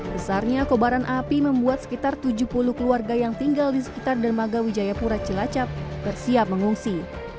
besarnya kobaran api membuat sekitar tujuh puluh keluarga yang tinggal di sekitar dermaga wijayapura cilacap bersiap mengungsi